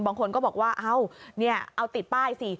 บางคนก็บอกว่าเอาติดป้ายสิ